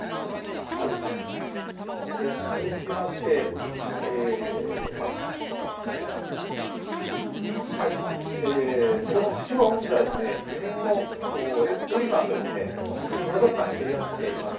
続きまして先ほど千葉５区では自民の英利さんと立民、矢崎さんが競り合っています。